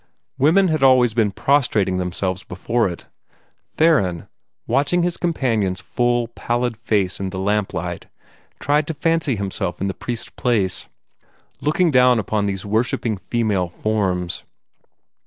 Women had always been prostrating themselves before it. Theron, watching his companion's full, pallid face in the lamp light, tried to fancy himself in the priest's place, looking down upon these worshipping female forms.